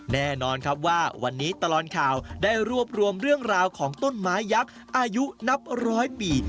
แน่นอนครับว่าวันนี้ตลอดข่าวได้รวบรวมเรื่องราวของต้นไม้ยักษ์อายุนับร้อยปี